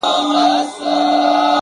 • نور به ولټوي ځانته بله چاره ,